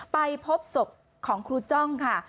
ไปพบศพของครูจ้องค่ะ